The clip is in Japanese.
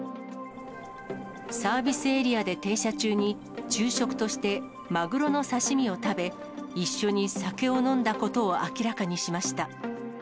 サービスエリアで停車中に、昼食として、マグロの刺身を食べ、一緒に酒を飲んだことを明らかにしました。